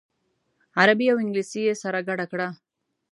عربي او انګلیسي یې سره ګډه کړه.